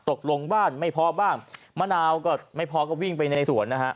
ตกลงบ้านไม่พอบ้างมะนาวก็ไม่พอก็วิ่งไปในสวนนะฮะ